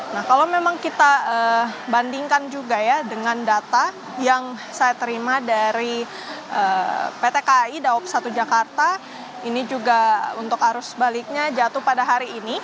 nah kalau memang kita bandingkan juga ya dengan data yang saya terima dari pt kai dawab satu jakarta ini juga untuk arus baliknya jatuh pada hari ini